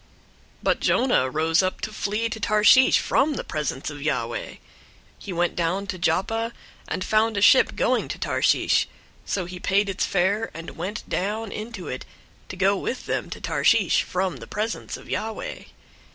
001:003 But Jonah rose up to flee to Tarshish from the presence of Yahweh. He went down to Joppa, and found a ship going to Tarshish; so he paid its fare, and went down into it, to go with them to Tarshish from the presence of Yahweh.